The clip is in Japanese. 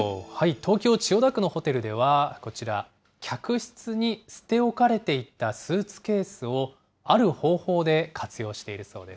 東京・千代田区のホテルでは、こちら、客室に捨て置かれていたスーツケースをある方法で活用しているそうです。